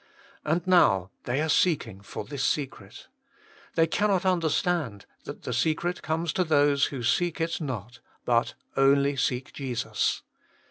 And now they are seeking for this secret. They cannot understand that the secret conies to those who seek it not, but only seek Jesus.